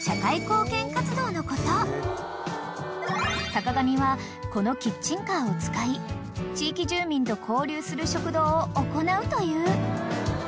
［坂上はこのキッチンカーを使い地域住民と交流する食堂を行うという］